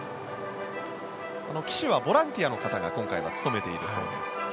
旗手はボランティアの方が今回は務めているそうです。